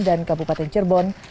dan kabupaten cerbon